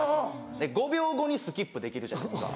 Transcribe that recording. ５秒後にスキップできるじゃないですか。